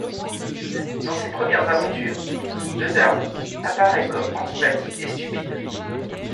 Dans ses premières aventures, Beaky Buzzard apparaît comme antipathique et stupide.